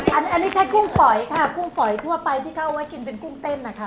อันนี้แค่กุ้งฝอยค่ะกุ้งฝอยทั่วไปที่เขาเอาไว้กินเป็นกุ้งเต้นนะคะ